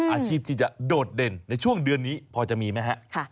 อาชีพที่จะโดดเด่นในช่วงเดือนนี้พอจะมีไหมฮะ